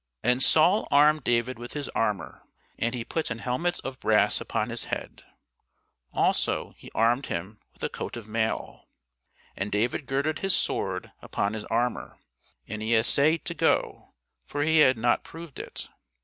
And Saul armed David with his armour, and he put an helmet of brass upon his head; also he armed him with a coat of mail. And David girded his sword upon his armour, and he essayed to go; for he had not proved it.